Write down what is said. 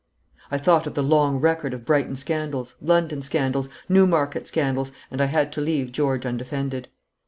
I thought of the long record of Brighton scandals, London scandals, Newmarket scandals, and I had to leave George undefended.